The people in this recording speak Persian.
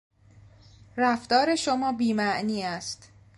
رفتار شما بیمعنی است.